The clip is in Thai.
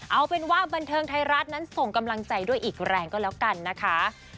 เอาเป็นว่าบันเทิงไทยรัฐนั้นส่งกำลังใจด้วยอีกแรงก็แล้วกันนะคะ